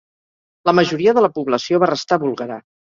La majoria de la població va restar búlgara.